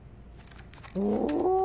お！